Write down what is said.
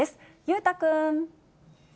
裕太君。